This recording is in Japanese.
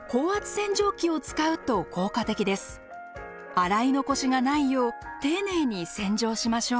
洗い残しがないよう丁寧に洗浄しましょう。